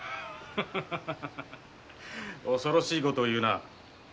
恐ろしい事を言うなぁ。